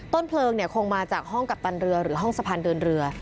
เพลิงคงมาจากห้องกัปตันเรือหรือห้องสะพานเดินเรือ